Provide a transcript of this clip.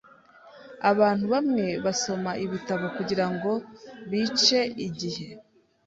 Abantu bamwe basoma ibitabo kugirango bice igihe .